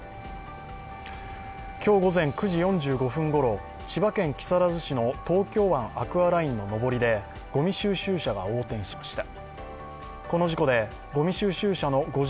今日午前９時４５分ごろ、千葉県木更津市の東京湾アクアラインの上りでごみ収集車が横転しました。